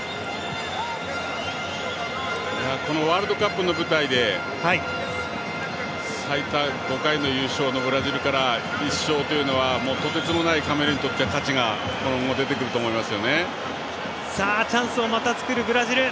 このワールドカップの舞台で最多５回の優勝のブラジルから１勝というのはとてつもないカメルーンにとっては価値が今後出てくると思います。